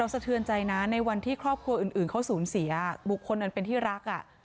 สะเทือนใจนะในวันที่ครอบครัวอื่นเขาสูญเสียบุคคลอันเป็นที่รัก